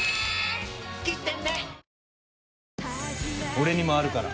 「俺にもあるから。